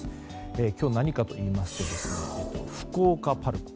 今日何かといいますと福岡パルコ。